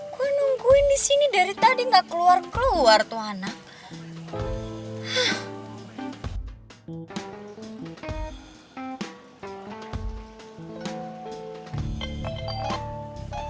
gue nungguin di sini dari tadi gak keluar keluar tuh anak